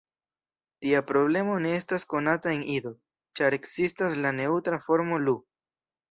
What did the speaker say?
Tia problemo ne estas konata en Ido, ĉar ekzistas la neŭtra formo "lu".